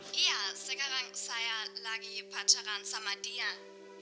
dara sekarang saya lagi pacaran sama dian